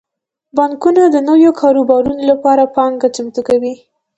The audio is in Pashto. بانکونه د نویو کاروبارونو لپاره پانګه چمتو کوي.